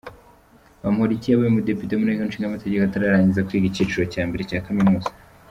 Bamporiki yabaye umudepite mu Nteko Ishinga Amategeko atararangiza kwiga icyiciro cya mbere cya kaminuza.